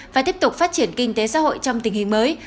và tiếp tục phát triển kinh tế xã hội trong tình hình mới